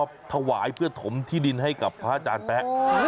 ถวายเพื่อถมที่ดินให้กับพระอาจารย์แป๊ะ